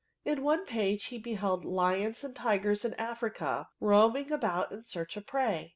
In one page he beheld lions and tigers in Africa roaming about in search of prey.